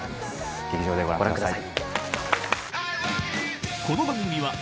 劇場でご覧ください。